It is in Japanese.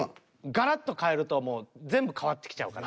ガラッと変えるともう全部変わってきちゃうから。